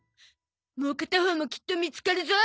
もう片方もきっと見つかるゾ。